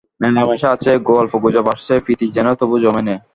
মেলামেশা আছে, গল্পগুজব আরছে, প্রীতি যেন তবু জমে না।